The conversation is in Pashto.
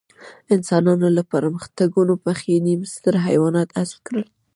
انسانانو له پرمختګونو مخکې نیم ستر حیوانات حذف کړل.